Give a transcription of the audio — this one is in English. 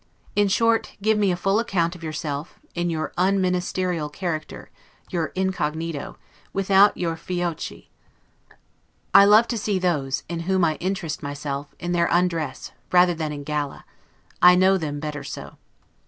In short, give me a full account of yourself, in your un ministerial character, your incognito, without your 'fiocchi'. I love to see those, in whom I interest myself, in their undress, rather than in gala; I know them better so.